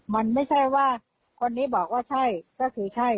มันไม่ใช่ว่าคนนี้บอกว่าใช่ก็คือใช่